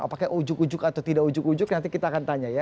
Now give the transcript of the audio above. apakah ujuk ujuk atau tidak ujuk ujug nanti kita akan tanya ya